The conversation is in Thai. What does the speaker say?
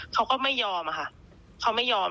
เขาก็ไม่ยอมค่ะเขาไม่ยอม